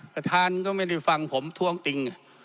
ประธานก็ไม่ได้ฟังผมท้วงติง